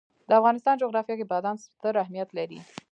د افغانستان جغرافیه کې بادام ستر اهمیت لري.